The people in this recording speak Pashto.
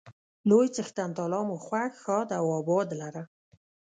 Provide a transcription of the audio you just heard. لوی څښتن تعالی مو خوښ، ښاد او اباد لره.